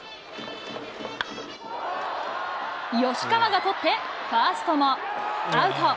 吉川が捕って、ファーストもアウト。